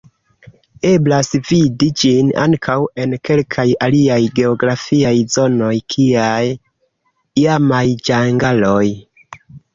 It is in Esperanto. Eblas vidi ĝin ankaŭ en kelkaj aliaj geografiaj zonoj, kiaj iamaj ĝangaloj.